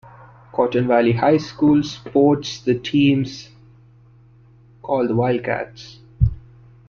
Cotton Valley High School sports the teams called the Wildcats.